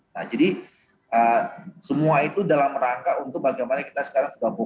nah jadi semua itu dalam rangka untuk mengatakan bahwa itu adalah hal yang harus diperhatikan